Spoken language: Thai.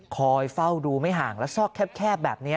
คอยเฝ้าดูไม่ห่างและซอกแคบแบบนี้